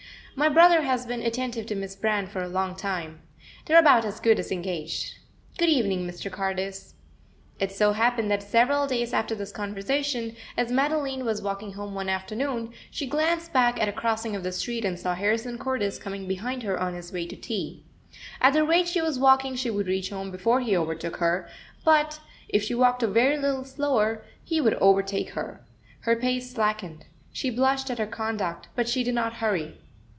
"My brother has been attentive to Miss Brand for a long time. They are about as good as engaged. Good evening, Mr. Cordis." It so happened that several days after this conversation, as Madeline was walking home one afternoon, she glanced back at a crossing of the street, and saw Harrison Cordis coming behind her on his way to tea. At the rate she was walking she would reach home before he overtook her, but, if she walked a very little slower, he would overtake her. Her pace slackened. She blushed at her conduct, but she did not hurry.